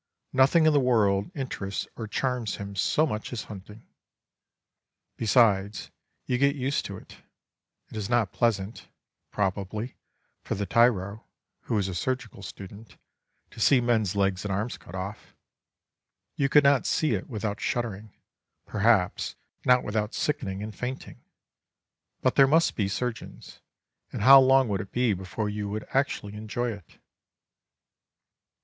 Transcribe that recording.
Nothing in the world interests or charms him so much as hunting. Besides, you get used to it. It is not pleasant, probably, for the tyro, who is a surgical student, to see men's legs and arms cut off. You could not see it without shuddering, perhaps not without sickening and fainting. But there must be surgeons, and how long would it be before you would actually enjoy it?